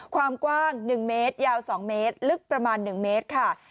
ความกว้าง๑เมตรยาว๒เมตรลึกประมาณ๑เมตรค่ะ